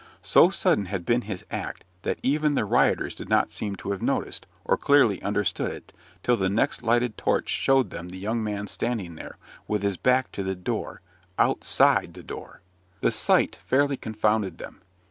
So sudden had been his act, that even the rioters did not seem to have noticed, or clearly understood it, till the next lighted torch showed them the young man standing there, with his back to the door OUTSIDE the door. The sight fairly confounded them.